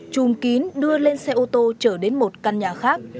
chùm kín đưa lên xe ô tô trở đến một căn nhà khác